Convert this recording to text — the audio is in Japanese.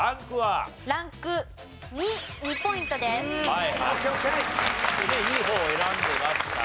いい方を選んでますから。